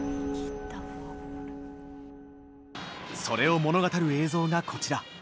それを物語る映像がこちら。